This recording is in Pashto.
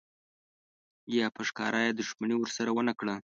یا په ښکاره یې دښمني ورسره ونه کړه.